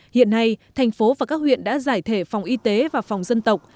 hiện nay thành phố và các huyện đã giải thể phòng y tế và phòng dân tộc